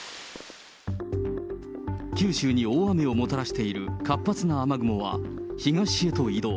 九州に大雨をもたらしている活発な雨雲は東へと移動。